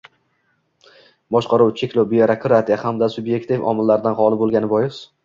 – boshqaruv, cheklov, byurokratiya hamda sub’ektiv omillardan xoli bo‘lgani bois